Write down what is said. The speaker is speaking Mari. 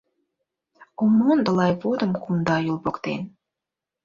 Ом мондо лай водым Кумда Юл воктен.